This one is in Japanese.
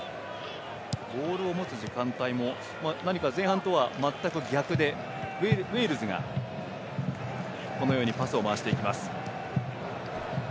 ボールを持つ時間帯も前半とはまったく逆でウェールズがこのようにパスを回していきます。